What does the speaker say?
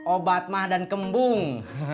obat mah dan kembung